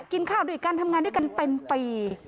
กินข้าวด้วยกันทำงานด้วยกันเป็นปี